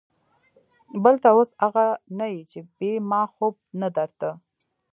بل ته اوس اغه نه يې چې بې ما خوب نه درته.